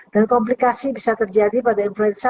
dan komplikasi bisa terjadi pada influenza